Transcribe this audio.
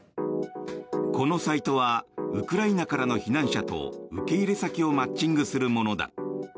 このサイトはウクライナからの避難者と受け入れ先をマッチングするものだ。